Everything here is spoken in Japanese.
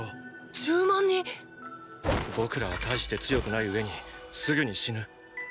１０万人⁉僕らは大して強くない上にすぐに死ぬ。